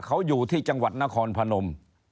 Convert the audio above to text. เขาอยู่ที่จังหวัดนครพนม